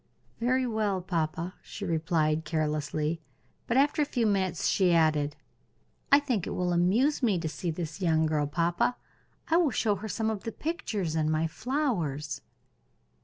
"Very well, papa," she replied, carelessly; but after a few minutes she added: "I think it will amuse me to see this young girl, papa. I will show her some of the pictures and my flowers."